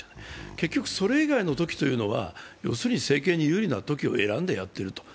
結局、それ以外のときというのは、要するに、政権に有利なときを選んでやっていると。